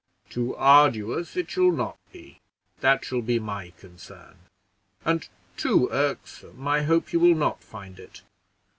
"Too arduous it shall not be that shall be my concern; and too irksome I hope you will not find it.